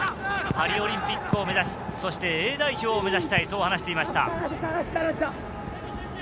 パリオリンピックを目指し、Ａ代表を目指したい、そう話していました。